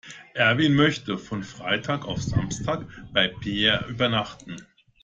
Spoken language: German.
Erwin möchte von Freitag auf Samstag bei Peer übernachten.